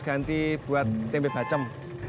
ganti buat tempe bacem